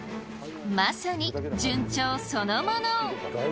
まさに順調そのもの。